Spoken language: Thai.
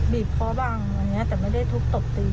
บีบเค้าบ้างแต่ไม่ได้ทุกข์ตบตี